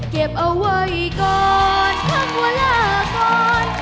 เก็บเอาไว้ก่อนคำว่าลาก่อน